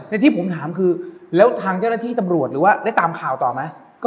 ที่ผมถามคือแล้วทางเจ้าหน้าที่ตำรวจหรือว่าได้ตามข่าวต่อไหม